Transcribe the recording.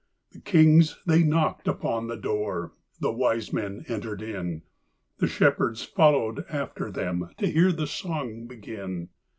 The kings they knocked upon the door, The wise men entered in, The shepherds followed after them To hear the song begin.